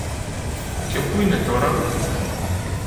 Και πού είναι τώρα;